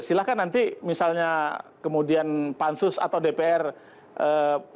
silahkan nanti misalnya kemudian pansus atau dpr setuju dengan prosesnya